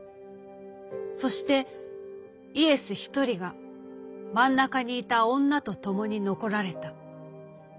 そしてイエス一人が真ん中にいた女とともに残られた。